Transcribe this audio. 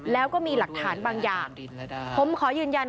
แล้วก็มีหลักฐานบางอย่าง